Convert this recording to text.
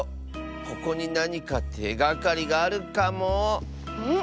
ここになにかてがかりがあるかも。